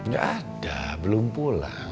gak ada belum pulang